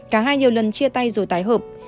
cả hai nhiều lần chia tay rồi tái hợp